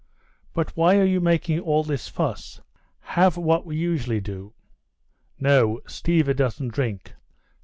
"But why are you making all this fuss? Have what we usually do." "No, Stiva doesn't drink